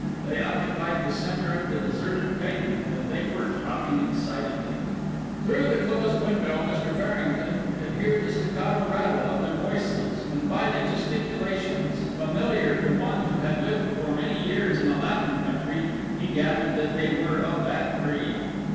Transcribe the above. They occupied the centre of the deserted pavement, and they were talking excitedly. Through the closed window Mr. Farrington could hear the staccato rattle of their voices, and by the gesticulations, familiar to one who had lived for many years in a Latin country, he gathered that they were of that breed.